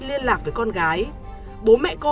liên lạc với con gái bố mẹ cô